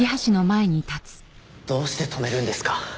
どうして止めるんですか？